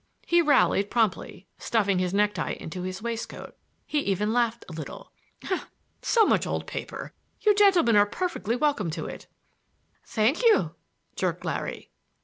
He rallied promptly, stuffing his necktie into his waistcoat; he even laughed a little. "So much old paper! You gentlemen are perfectly welcome to it." "Thank you!" jerked Larry.